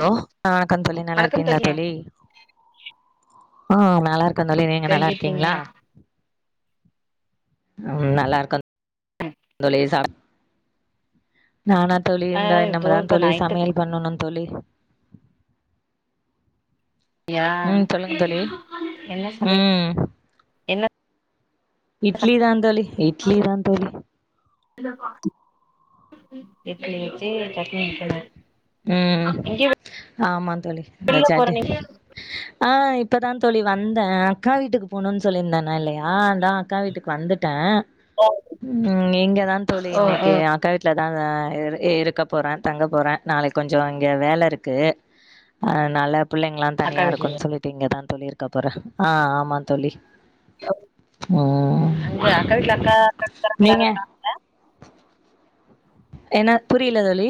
Hello வணக்கம் தோழி நல்லா இருக்கீங்களா தோழி ஹ நல்லா இருக் [unintelligible] நீங்க நல்லா எப்டி இருக்கீங்க இருக்கீங்களா உம் நல்லாருக்கு நானா தோழி ஆ இந்தா இன்னிமே இதோ தா இப்ப தோழி நைட்டுக்கு சமையல் பண்ணனு தோழி யா ம் சொல்லுங்க தோழி என்ன சமைய ம் [inaudible] என்ன இட்லி தா தோழி இட்லி தா தோழி இட்லி வெச்சு சட்னி வெக்கணு உம் ஆமா என்ன வெளில சாட்டு போறீங்களா ஆஹ் இப்ப தா தோழி வந்தே அக்கா வீட்டுக்கு போனுன் சொல்லிருந்தன்னல்லயா அதா அக்கா வீட்டுக்கு வந்துட்டே உம் இங்க தா தோழி இன்னைக்கு அக்கா வீட்ல [unintelligible] இரு இருக்க போறே தங்க போறே நாளைக் கொஞ்ச இங்க வேல இருக்கு அதனால புள்ளைங்லா அக்கா தனியா வீட்லயா இருக்குன் சொல்லிட்டு இங்க தான் தோழி இருக்க போறே ஆஹ் ஆமா தோழி உம் அங்க அக்கா வீட்ல அக்கா அக்காக்காரங்க எல்லாரு நீங்க இருக்காங்க என்ன புரியல தோழி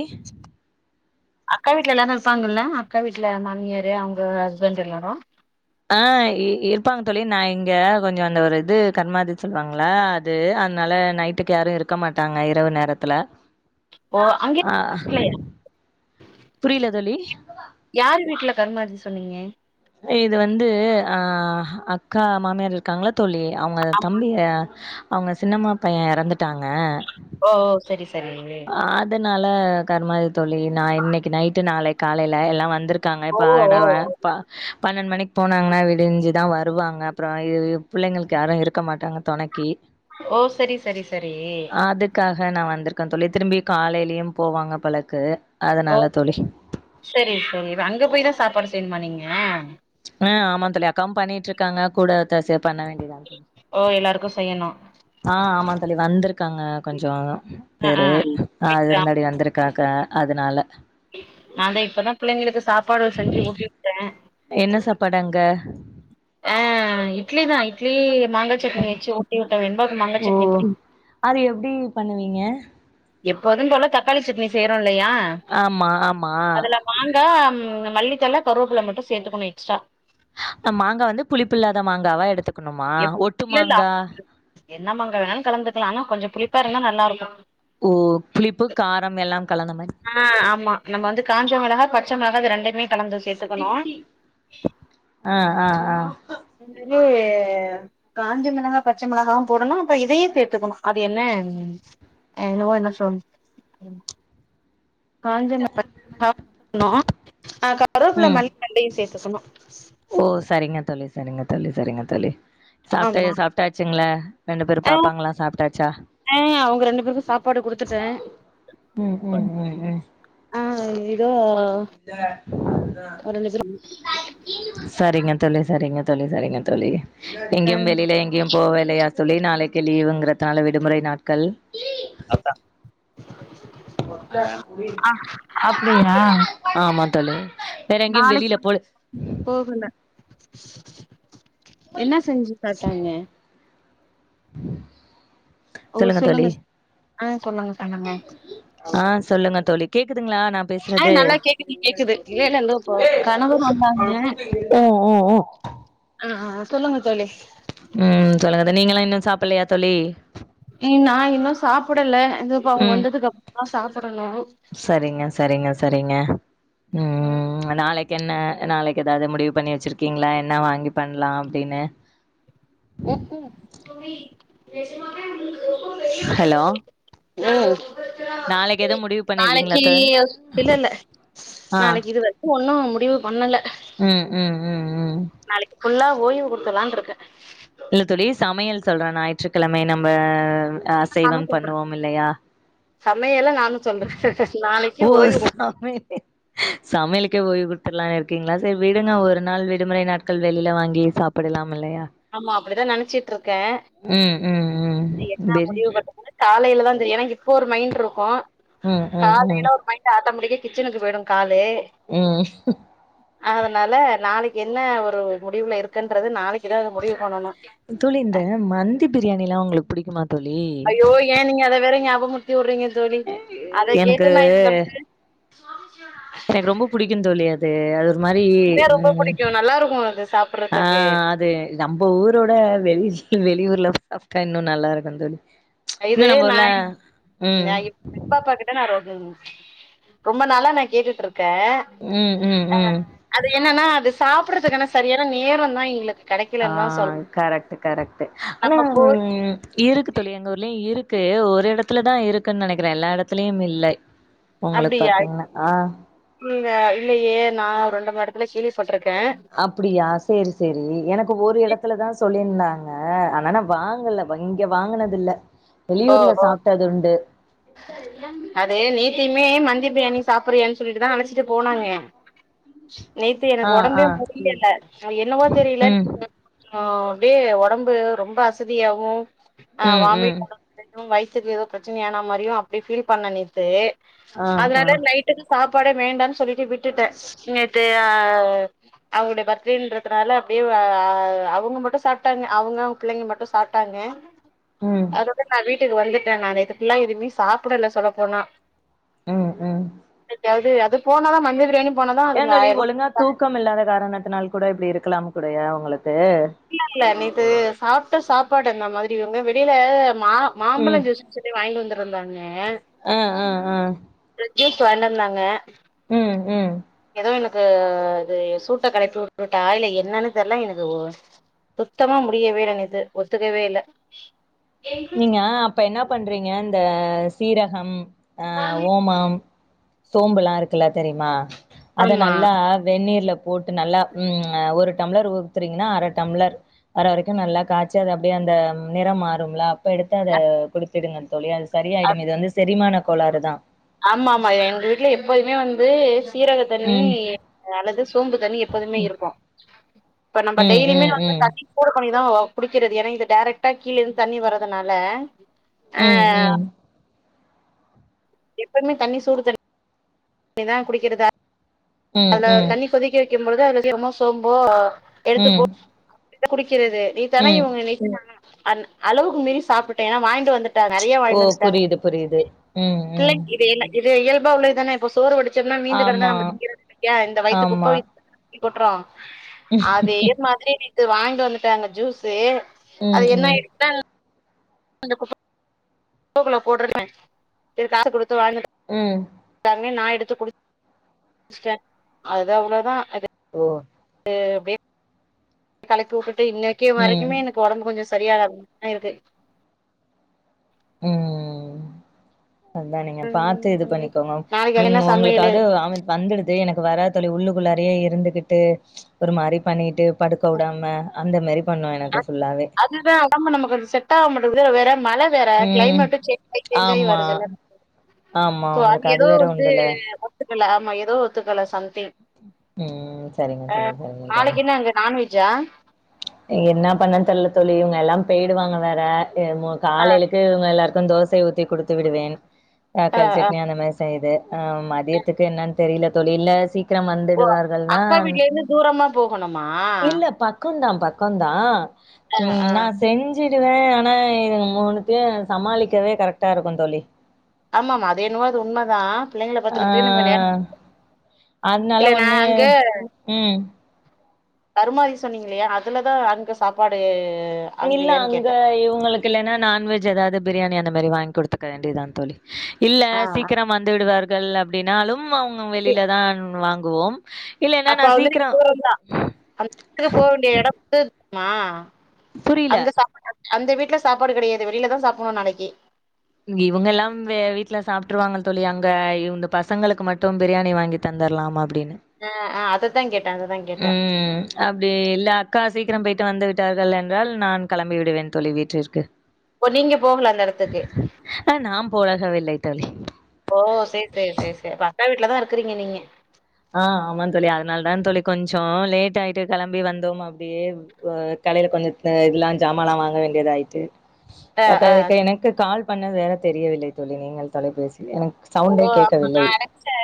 அக்கா வீட்ல எல்லாரு இருப்பாங்கல்ல அக்கா வீட்ல மாமியாரு அவங்க ஹஸ்பண்ட் எல்லாரு ஆஹ் இ இருப்பாங்க தோழி நா இங்க கொஞ்ச அந்த ஒரு இது கர்மாதி சொல்வாங்கல்ல அது அதனால நைட்டுக்கு யாரு இருக்க மாட்டாங்க இரவு நேரத்துல ஓ அங்க ஆ புரியல தோழி. [inaudible] யார் வீட்ல கர்மாதி சொன்னீங்க இது வந்து அஹ் அக்கா மாமியார் இருக்காங்கல தோழி அவங்க தம்பிய அவங்க சின்னம்மா பைய எறந்துட்டாங் க செரி செரிங்க னால கர்மாதி தோழி நா இன்னைக்கு நைட்டு நாளைக் காலைல எல்லா வந்திருக் காங்க ஓ இப்ப ஓ எனவ பா பன்னெண் மணிக் போனாங்ன்னா விடிஞ்சு தா வருவாங்க அப்பறோ இது இ புள்ளைங்களுக்கு யாரு இருக்க மாட்டாங்க தொணைக்கி ஓ சரி சரி சரி க நா வந்துருக் க தோழி திரும்பி காலைலியு போவாங்க போலக்கு ஓ [inaudible] சரி தோழி அங்க போய் தா சாப்பாடு செய்ணுமா நீங்க ஆஹ் ஆமாந் தோழி அக்காவு பண்ணிட்ருக்காங்க கூட ஒத்தாசியா பண்ண வேண்டியதா ஓ எல்லாருக்கு செய்யணு ஆஹ் ஆமா தோழி வந்திருக்காங்க கொஞ்சம் அ ஆ சரி ஆஹ் அது இருந்தாடி வந்திருக்கே கக்க அதனால நாந்தா இப்பதா பிள்ளைங்களுக்கு சாப்பாடு செஞ்சு ஊட்டிவுட்ட என்ன சாப்பாடு அங்க அஹ் இட்லிதா இட்லி மாங்கா சட்னி வச்சு ஊட்டி வுட்டே வெண்பாக்கு மாங்காய் ஓ சட்னி பிடி அது எப்டி பண்ணுவீங்க எப்போதும் போல தக்காளி சட்னி செய்யறோ லயா ஆமா ஆமா அதுல மாங்க மல்லித்தல கருவபில மட்டும் சேத்துக்கணும் எக்ஸ்ட்ரா மாங்கா வந்து புளிப்புல்லாத மாங்காவா எடுத்து இல்ல இல்ல என்னமாங்கா வேணாலு கலந்துக்கலாம் ஆனா கொஞ்சம் புளிப்பாருந்தா நல்லாருக்கும் ஓ புளிப்பு காரம் எல்லாம் கலந்த மாரி ஆஹ் ஆமா நம்ம வந்து காஞ்சமிளகா பச் மிளகா இது ரெண்டு மே ஆஹ் ஆஹ் ஆஹ் திரி காஞ்ச மிளகா பச்ச மிளகாம போடணும் அப்ப இதையே சேர்த்துக்கணும் அது என்ன என்னவோ என்ன சொல் காஞ்சம் பச்ச மிளகா போட்டுக்கணும் ஆஹ் கருப்வ புள்ள ம் மல்லி ரெண்டையும் சேர்த்துக்கணும் ஓ சரிங்க தோழி சரிங்க தோழி சரிங்க தோழி ஆமா சாப்பிட்ட சாப்பிட்டாச்சுங்கள ரெண்டு பேரும் ஆ பாப்பாங்களாம் சாப்ட்டாச்சா ஆ அவங்க ரெண்டு பேருக்கு சாப்பாடு குடுத்துட்டே உம் உம் உம் உம் ஆ இதோ ரெண்டு பேரு சரிங்க தோழி சரிங்க தோழி சரிங்க தோழி ஆ எங்கேயும் வெளியில எங்கேயும் போவில்லயா தோழி நாளைக்கு வெள்ளியவுங்கிறதால விடுமுறை நாட்கள் அதா அப்டியா ஆமா தோழி வேற எங்கேயும் நாளைக்கு வெளியில போல போகல என்ன செஞ்சு பாத்தாங்க ஓ சொல்லுங்க ஆஹ் சொல்லுங்க சொல்லுங்க ஆ சொல்லுங்க தோழி கேக்குதுங்களா நா ஆ பேசுறது நல்லா கேக்குது கேக்குது இல்லல்லப்பா கணவர் வந்தாங்க ஆ ஆ சொல்லுங்க தோழி ம் சொல்லுங்கத நீங்கள்ளாம் இன்னும் சாப்படலையா தோழி ம் நா இன்னும் சாப்பிடல ம் சரிங்க சரிங்க சரிங்க ம் ம் ம் நாளைக்கு என்ன நாளைக்கு எதாவது முடிவு பண்ணி வச்சிருக்கீங்களா என்ன வாங்கி தரலாம் அப்பிடின்னு உக்கூ கோழி நெஜமாவே ஹலோ அ நாளைக்கு எதுவு முடிவு பண்ணிருக்கீங்களா நாளைக்கு தோ இல்லல்ல ஆ நாளைக்கு இது வரைக்கும் ஒன்னும் முடிவு பண்ணல ம் ம் ம் ம். நாளைக் ஃபுல்லா ஓய்வு குடுத்துலான்னு இருக்கேன் இல்ல தோழி சமையல் சொல்ற ஞாயிற்றுக்கிழமை நம்ம அ நானு அசைவம் சொல்றே பண்ணுவோம் இல்லையா சமையல நா ஓ சமை சமையலுக்கே ஓய்வு குடுத்தலானு இருக்கீங்களா சரி விடுங்க ஒரு நாள் விடுமுறை நாட்கள் வெளியில வாங்கி சாப்பிடலாம் இல்லையா? ஆமா அப்படிதா நெனைச்சுட்ருக்கே ம், ம், ம். என்னா பிரி முடிவு பன்றதுனு காலையில தா தெரியு ஏன்னா இப்போ ஒரு மைண்ட் இருக்கு ம், ம், ம், காலைல ஒரு மைண்ட் ஆட்டமேட்டிகா கிச்சனுக்கு போய்டு காலு ம் அதனால நாளைக்கு என்ன ஒரு முடிவுல இருக்கன்றது நாளைக் தோழி இந்த மந்தி பிரியாணிலா உங்களுக் புடிக்குமா அய்யோ ஏ நீங்க அத வேற நியாப் முருத்தியூரிங்க தோழி அத எனக்கு கேட்டு நா இவங்களுக்கு எனக்கு ரொம்ப புடிக்கு தோழி அ து அ து மாரி மே ரொம்ப ம் புடிக்கு நல்லா இருக்கு அது ஆ சாப்புட்றதுக்கு அது நம்ம ஊரோட வெளி வெளியூர் [unintelligible] இன்னு நல்லா இருக்கும் தோழி இது இன்னு நம்ம ஊர்ல நான் ம் இப்ப [unintelligible] கிட்ட நான் [unintelligible] ரொம்ப நாளா நான் கேட்டுட்டு இருக் கன் ம் ம் ம் அது என்னன்னா அது சாப்றதுக்கான சரியான நேரம்தா இல்ல ஆஹ் கரெக்ட் கரெக்ட் ஆனா நம்ம உ போய் இருக்கு தோழி எங்க ஊர்லயும் இருக்கு இருக்கு ஒரு இடத்துலதான் இருக்குன்னு நினைக்கிறேன் எல்லா இடத்துலயும் இல்லை அப்படியா இங்க இல்லையே நா வந்து இடத்துல [unintelligible] கேல்வி பட்ருக்க அப்படியா செரி செரி எனக்கு ஒரு இடத்துல தான் சொல்லி இருந்தாங்க ஆனா வாங்கல இங்க வாங்குனது இல்ல ஓ வெளியூர்ல ஓ சாப்ட்டது உண்டு அதே நீ இப்பமே மந்தி பிரியாணி சாப்பாரியானு சொல்லீட்டுதா அனச் ட்டு போனாங்க நேத்து ஆ எனக்கு ஆ உடம்பே முடியல்ல அது என்னவோ தெரியல ம் ஆஹ் அப்படியே உடம்பு ரொம்ப அசதியாவும் உஹம் உம் வைத்துக்கு ஏதோ பிரச்சனைையானமாரியும் அப்படி ஃபீல் பண்ணே நேத்து ஆ ஆ அதனால நைட்டுக்கு சாப்ப பாடே வேண்டான்னு சொல்லிட் விட்டுட்டே [unintelligible] அவங்களுடைய பர்த்டேன்றதுனால அப்படியே ஆ அவங்க மட்டும் சாப்பிட்டாங்க அவங்க அவங்க பிள்ளைங்க மட்டும் சாப்பிட்டாங்க உஹம் வீட்டுக்கு வந்துட்டேன் நான் நேத்து ஃபுல்லா எதுமே சாப்பிடல்ல சொல்லப்போனா ம் ம் அதாவது போனதா மந்தி பிரியாணி போனாதா அதுங்க ஏந்தோழி ஆயிரூவா ஒழுங்கா தூக்கம் இல்லாத காரணத்தினால் கூட இப்படி இருக் இருக்கலாம் கூடயா உங்ககளுக்கு இல்ல இல்ல நேத்து சாப்பிட்டு சாப் ப்பாட்டு அந்த மாதிரி இவங்க வெளியில மாம்பழம் ஜூஸ்னு சொல்லி வாங்கிட்டு வந்த வந்தாங்க ஆஹ் ஆஹ் ஆஹ் ஜீஸ் வாங்கித்வந்தாங்க உம் உம் து எனக்கு அது சூட்ட களப்பி உட்டுட்டா இல்ல என்னன்னு தெர்ல எனக்கு ஓ சுத்தமா முடியவேல நேத்து ஒத்துக்கவே இல்ல நீங்க அப்ப என்னப் பண்றீங்க இந்த சீரகம் ஆ ஓமம் சோம்புல்லா இருக்குல்ல தெரியுமா அத ஆமா நல்லா வெந்நீர்லப் போட்டு நல்லா ம் அ ஒரு டம்ளர் ஊத்துறீங்ன்னா அர டம்ளர் வர வரைக்கும் நல்லா காச்சு அது அப்டே அந்த நிறம் மாறும் ல அப் ப்ப எடுத்து அத குடுத் ச்சுடுங்க தோழி அஸ் சரியாயிடும் இது வந்து செரிமான கோளாறுதா ஆமா ஆமா எங்க வீட்ல எப்போதுமே வந்து சீரக தண்ணி ம் அல்லது சோம்பு தண்ணி எப்போதுமே இருக்கும் இப்ப நம்ப ம், டெய்லிமே ம், வந்து ம். தண்ணி சூடு பண்ணிர் தா குடிக்கிறது ஏனா இது டேரக்டா கீழே இருந் தண்ணி வரதுனால ம் ம் எப்பமே தண்ணி சூடு தண்ணி ணிதா குடிக்கிறதா ம், அதுல ம். தண்ணி கொதிக்க வைக் குக் பொழுது [unintelligible] சோம்போ ம் இத குடிக் கிறது நீ தானே ம். இவங்க [unintelligible] அன் அளவுக்கு மீறி சாப்டுட்டே வாங்கிட் டு வந்துட்டா நெறையா ஓ! வாங்கினு வன்ட்டாங்க புரியுது, புரியுது. ம், ம். பிள்ளைங் இது எல்லா இ இயல்பா உள்ளதுதானே இப்போ சோறு வடி ச்சனா மீந்து கடந்தா ஆமா, நம்ம திங்கிறது இல்ல இந்த வயித்துக் குப்ப ஆமா. வ கொட்றோ அதே மாதிரி நேத் து வாங்கிட்டு வந்துட்டாங்க ஜூஸு அது ம், என்ன ம். இருக்குதோ [unintelligible] காசு கொடுத்து வாங்கி ம் நா எடுத்து குடிச்ட்டே அது அவ்வளோதா ஓ வெப் கலைக்கு இன்னக்கே ம். மறைக்குமே எனக்கு உடம்பு கொஞ்சம் சரியாக தா இருக்கு உம் அதான் நீங்க இருக்கு பாத்து ம் இது தோழி பண்ணிக்கோங்க நாளைக்கு என்ன நீங்க சமையலு உங்களுக்காவது வந்துடுது எனக்கு வராதழ உள்ளுக்குள்ளாரே இருந்துகிட்டு ஒரு மாரி பண்ணிட்டு படுக்க விடாம அந்த மாதிரி அதுதா ஒடம்ப நம்ம கொஞ்சம் செட் ஆக மாட்டறது வேற மழை வேற ம். கிளைமேட்ட சேஞ்சி சேஞ்ச் ஆகி ஆமா, ஆமா. வருதுல்லோ அது உங்களுக்கு ஏதோ வேற வந்து உண்டுல. க்கல ஆமா ஏதோ ஒத்துக்கல சம்திங் உம் சரிங்க தோழி சரிங்க தோழி ஜா என்ன பண்ண தெரியலத் தோழி இவங்க எல்லாம் போய்டவாங்க வேற காலையிலுளுக்கு இவங்க எல்லாரும்கும் தோசை ஊத்தி கொடுத்து விடுவேன் ஆஹ் ஆ ஆ கல்ச்சட்னி அந்த மாரி செய்து ஆஹ் மதியத்துக்கு என்ன தெரியல தோழி இல்ல சிக்கிரம் ஓ வந்துடுவார்கள் நா அக்கா வீட்ல இருந்து தூரமா போகணுமா இல்ல பக்கம்தா பக்கம் பக்கம்தா ஆ உம் ஆ நா செஞ்சு வேன் ஆனா இது மூணுத்தையும் சமாளிக்கவே கரெக்ட்டா இருக்கும் தோழி ஆமா ஆமா அதது என்னவா அது உண்மதா பிள்ளைங்கள பாத்துக்கிறதுக்கே நமக்கு நேரோ அஹ் அதனால இல்ல நா ஒண்ணு உம் தருமாரி சொன்னீங்க இல்லையா அதுலதா அங்க சாப்பாடு இல்ல அங்கயான்னு அங்க கேட்டே இவங்களுக்கு இல்லைன்னா நான்வெஜ் ஏதாவது பிரியாணி அந்த மாரி வாங்கி கொடுக்க வேண்டியது தா தோழி இல்ல ஆ ஆ. சீக்கிரம் வந்து விடுவாரு கள் அப்படின்னாலும் அவங்க சரி. வெளியில தான் வாங் கோவோம் அப்ப வந்து நீங்க தூரம் தா அந்த இடத்துக்கு போக வேண்டிய இடத்து மா புரியல. அங்க சாப்ப அந்த வீட்டு்ல சாப்பாடு கெடையாது வெளில தா சாப்படணு நாளைக்கு இவங்கல்லா வெ வீட்டுல சாப்பிட்டுருவாங்க தோழி அங்க இவங்க பசங்களுக்கு மட்டு பிரியாணி வாங்கி தந்துரலாமா ம் ஆஹ் அதுக் தங்கெ உம் அப்டி இல்ல அக்கா சீக்கிரம் போயிட்டு வந்து விட்டார்கள் என்றால் நா கெளம்பி விடுவே தொழ வீட்டிருக்கு இப்ப நீங்க போகல அந்த எடத்துக்கு போகவே இல்லை தோழி ஓ சரி சரி சரி சரி அப்ப அக்கா வீட்டு்லதா இருக்கறீங்க நீங்க ஆஹ் ஆமா தோழி அதனால தா தழி கொஞ்ச லேட் ஆயிட்டு கெளம்பி வந்தோ அப்டியே அஹ் கலையில கொஞ்ச இதெல்லா ஜாமான்ல்லா வாங்க வேண்டியதாயிட்டு அ, அ. பத்தாதுக்கு சரி. எனக்கு கால் பண்ணது வேற தெரியவில்லை தொல்லி நீங்கள் தொலைபேசி எனக்கு ஓ சவுண்டே ஆமா நா கேட்கவில்லை நெனச்சே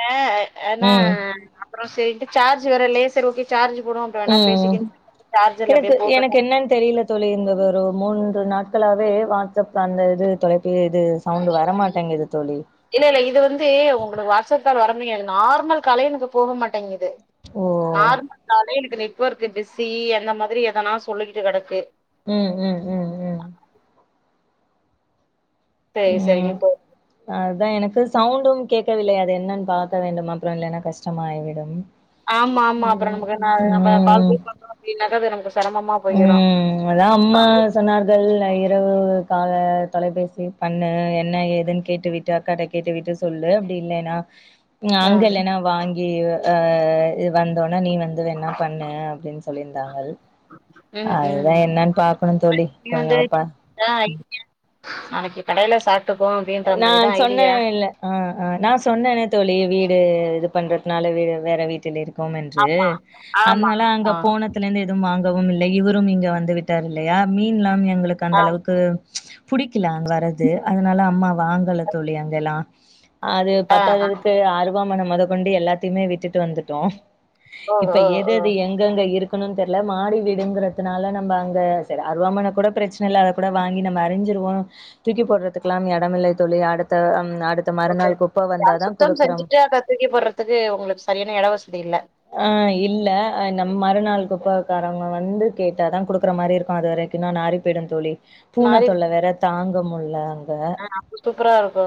ஏனா ம் அப்பற சரின்ட்டு சார்ஜ் வேற இல்ல லேசா சார்ஜ் போடுவோம். அப்புறம் வேணா உம் பேசிக்கன்னு சொல்லிட்டு சார்ஜர்ல எனக்கு அப்படியே எனக்கு போட்டுட்டோம். என்னன்னு தெரியல தோழி இருந்த ஒரு மூன்று நாட்களாவே வாட்ஸ்அப் அந்த இது தொலை இது சவுண்ட் வரமாட்டேங்குது தோழி இல்ல இல்ல இது வந்து உங்களுக்கு வாட்ஸ்அப் கால் வர முடியாது நார்மல் காலே எனக்கு போக மாட்டேங்குது ஓ நார்மல் காலே எனக்கு நேத் நெட்வொர்க்கு பிஸி அந்த மாதிரி எதனா சொல்லிக்கிட்டு கெடக்கு உம் உம் உம் உம் சரி சரிங்க போ அதுதா எனக்கு சவுண்டு கேட்கவில்லை அது என்னன்னு பாக்க வேண்டு அப்பற இல்லைன்னா கஷ்டமா ஆயிவிடு ஆமா ஆமா அப்புற நமக்கு ந நம்ம கால் ம் போக அப்படின்னாக்கா அது நமக்கு சிரமமா போயிரும். உம் அதா அம்மா சொன்னார்கள் இரவு கால தொலைபேசி பண்ணு என்ன ஏதுன்னு கேட்டுவிட்டு அக்காட்ட கேட்டுவிட்டு சொல்லு அப்டி இல்லைன்னா ம் அ. அங்க இல்லனா வாங் இ ஆஹ் இது வந்தோனே நீ வந்து அதுவேண்ணா பண்ணு அப்டினு சொல்லியிருந்தாங்கல் ம், அதுதா ம். என்னனு பாக்கணு தோழி நீ கொஞ்ச வந்து ஒருப்பா ஆ. நாளைக்கு கடையில சாப்ட் நா சொன்னே இல்ல அ ஆஹ் நா சொன்னேனே தோழி வீடு இது பண்றதுனால வேற வேற வீட்டில் இருக் இருப்போ என்று ஆமா ஆமா அதனால ஆமா அங்க போனத்துலருந்து எதும் வாங்க இல்லை இவரும் இங்க வந்து விட்டார் இல்லையா மீன்ல்லா ம் உங்களுக்கு அந்த ஆம் அளவுக்கு புடிக்கலா அங்க வறது அதனால அம்மா வாங்கல தோழி அங்கெல்லா அது ஆ ஆ பத்தாததுக்கு ஆறு அருவாமன மொத கொண்டு எல்லாத்தையுமே விட்டு வந்துட்டோம் ஓ இப்ப ஓ எத ஓ எது எங்கெங்க இருக் இருக்குனு தெர்ல மாடி வீடுங்கிறதுனால நம்ம அங்க சரி அருவாமன கூட பிரச்சனை இல்ல அத கூட வாங்கி நம்ம அறிஞ்சிருவோம் தூக்கி போடுறதுக்கலாம் இல்ல தோழி அடுத்த நாட் சுத்தம் செஞ்சுட்டு அத தூக்கி போடுறதுக்கு உங்களுக்கு சரியான இடவசதி இல்ல ஆ இல்ல நம்ம மறுநாள் குப்பக்காரவங்க வந்து கேட்டாதா குடுக்குற மாரி இருக்கு அது வரைக்கும் இன்னும் நாரி போய்விடும் தோழி பூன மாறி தொள்ள வேற தாங்கமுள்ள ல ஆ சூப்பரா இருக்கு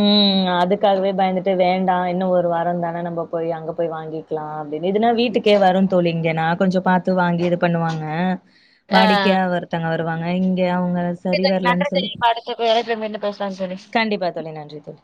ம் ர் அதுக்காகவே பயந்துட்டு வேண்டா இன்னு ஒரு வார தான நம்ம போய் அங்கே போய் வாங்கி கிலாம் அப்டின்னு இதுன்னா வீட்டுக்கே வரு தோழி இங்க நா கொஞ்சோ பாத்து வாங்கி இது பண்ணுவாங்க வாடிக்கையா ஒருத்தங்க வர் தொடுவாங்க இங்க அவங்க ஓகே சரி தோழி நன்றி வரலன்னு சொல்லி தோழி அடுத்த தலைப்பு மீண்டும் பேசலாம் தோழி கண்டிப்பா தோழி நன்றி தோழி